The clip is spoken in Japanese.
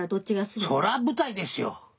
そら舞台ですよ。